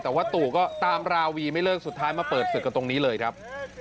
แต่ว่าตู่ก็ตามราวีไม่เลิกสุดท้ายมาเปิดศึกกันตรงนี้เลยครับ